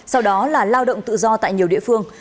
sau đó là lao động tự do tại nhiều địa phương